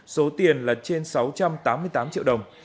số tiền là trên sáu triệu đồng